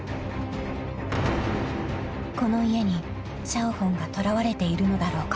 ［この家にシャオホンが捕らわれているのだろうか？］